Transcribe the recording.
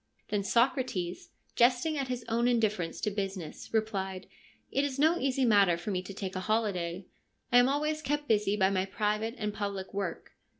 Then Socrates, jesting at his own indifference to business, replied :' It is no easy matter for me to take a holiday. I am always kept busy by my private and public work.